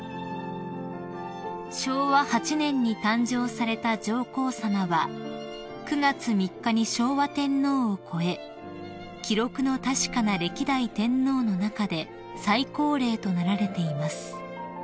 ［昭和８年に誕生された上皇さまは９月３日に昭和天皇を超え記録の確かな歴代天皇の中で最高齢となられています］